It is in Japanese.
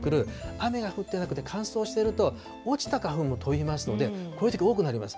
雨が降ってなくて、乾燥していると落ちた花粉も飛びますので、こういうとき多くなります。